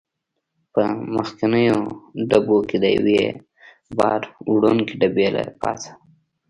په مخکنیو ډبو کې د یوې بار وړونکې ډبې له پاسه.